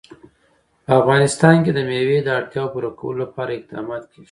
په افغانستان کې د مېوې د اړتیاوو پوره کولو لپاره اقدامات کېږي.